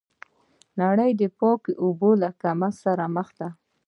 نړۍ د پاکو اوبو له کمښت سره مخ ده.